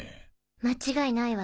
間違いないわ。